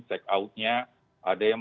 check out nya ada yang